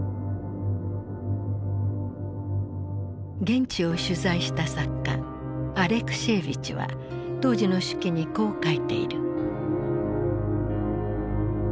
現地を取材した作家アレクシエーヴィチは当時の手記にこう書いている。